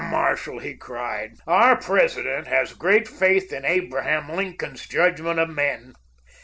Marshall," he cried, "our President has great faith in Abraham Lincoln's judgment of men.